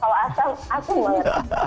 kalau asam asin banget